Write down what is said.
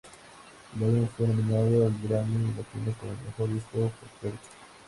El álbum fue nominado al Grammy Latino como Mejor disco folclórico.